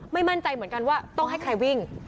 ไม่มั่นใจเหมือนกันว่าต้องให้ใครวิ่ง